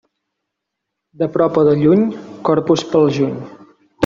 De prop o de lluny, Corpus pel juny.